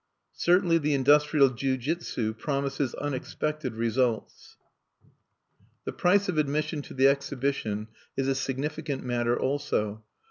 Certainly the industrial jiujutsu promises unexpected results. The price of admission to the Exhibition is a significant matter also.